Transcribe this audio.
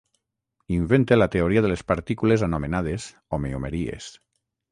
Invente la teoria de les partícules anomenades homeomeries.